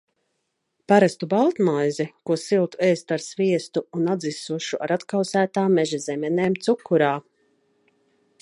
Parastu baltmaizi, ko siltu ēst ar sviestu un atdzisušu ar atkausētām meža zemenēm cukurā.